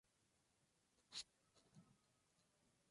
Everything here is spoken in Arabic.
كَذَّبَتْ عَادٌ الْمُرْسَلِينَ